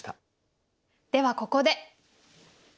ではここで。